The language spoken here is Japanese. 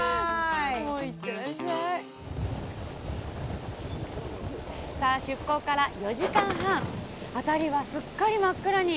仕掛けをさあ出航から４時間半辺りはすっかり真っ暗に。